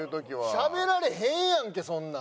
しゃべられへんやんけそんなん。